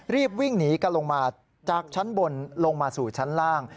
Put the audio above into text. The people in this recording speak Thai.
รีบวิ่งหนีกันลงมาจากชั้นบนลงมาสู่ชั้นล่าง